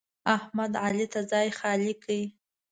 احمد؛ علي ته ځای خالي کړ.